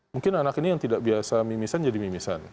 mungkin anak ini yang tidak biasa mimisan jadi mimisan